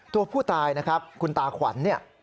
ตัวผู้ตายนะครับคุณตาขวัญ